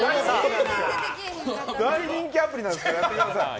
大人気アプリなんだからやってください！